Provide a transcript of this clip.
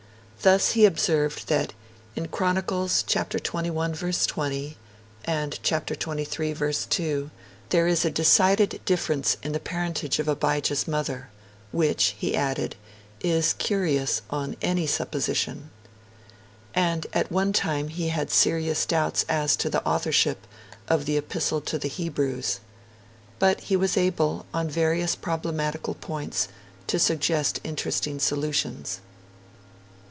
Thus he observed that 'in Chronicles xi, 20 and xiii, 2, there is a decided difference in the parentage of Abijah's mother;' 'which', he added, 'is curious on any supposition'. And at one time he had serious doubts as to the authorship of the Epistle to the Hebrews. But he was able, on various problematical points, to suggest interesting solutions.